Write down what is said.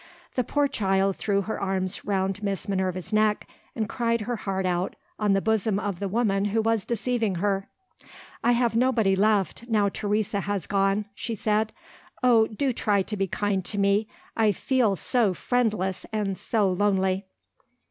The poor child threw her arms round Miss Minerva's neck, and cried her heart out on the bosom of the woman who was deceiving her. "I have nobody left, now Teresa has gone," she said. "Oh, do try to be kind to me I feel so friendless and so lonely!"